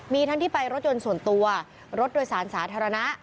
มีทั้งที่ไปรถยนต์ส่วนตัวรถโดยสารสาธารณะ